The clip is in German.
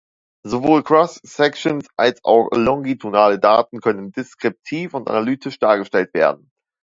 Sowohl Cross-Sections als auch longitudinale Daten können deskriptiv und analytisch dargestellt werden.